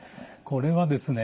これはですね